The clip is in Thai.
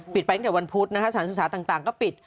ไปตั้งแต่วันพุธนะคะสถานศึกษาต่างก็ปิด